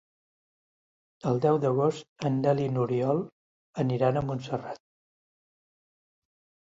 El deu d'agost en Nel i n'Oriol aniran a Montserrat.